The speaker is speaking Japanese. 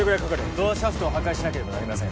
ドアシャフトを破壊しなければなりません